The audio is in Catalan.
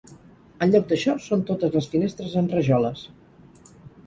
En lloc d'això són totes les finestres en rajoles.